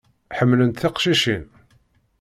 Ḥemmlent tiqcicin.